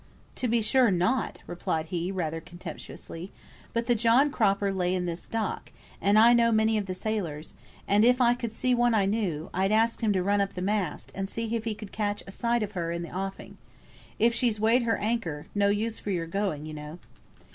"To be sure not," replied he, rather contemptuously. "But the John Cropper lay in this dock, and I know many of the sailors; and if I could see one I knew, I'd ask him to run up the mast, and see if he could catch a sight of her in the offing. If she's weighed her anchor no use for your going, you know."